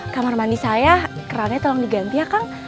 kamar mandi saya kerannya tolong diganti ya kang